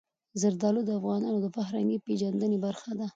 زردالو د افغانانو د فرهنګي پیژندنې برخه ده.